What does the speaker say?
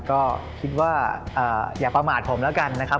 ก็คิดว่าอย่าประมาทผมแล้วกันนะครับ